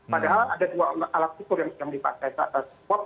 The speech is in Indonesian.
padahal ada dua alat spor yang dipakai